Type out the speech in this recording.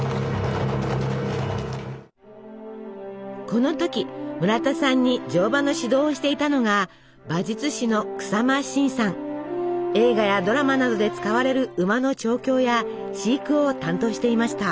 この時村田さんに乗馬の指導をしていたのが映画やドラマなどで使われる馬の調教や飼育を担当していました。